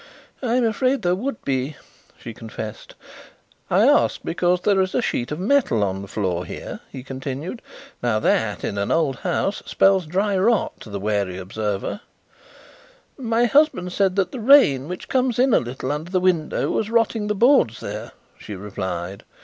"I am afraid there would be," she confessed. "I ask because there is a sheet of metal on the floor here," he continued. "Now that, in an old house, spells dry rot to the wary observer." "My husband said that the rain, which comes in a little under the window, was rotting the boards there," she replied.